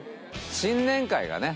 新年会がね